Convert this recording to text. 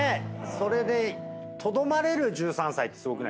それでとどまれる１３歳ってすごくないっすか。